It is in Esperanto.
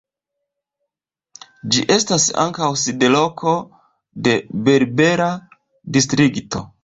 Ĝi estas ankaŭ sidloko de "Berbera Distrikto".